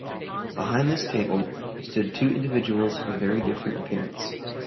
Behind this table stood two individuals of very different appearance.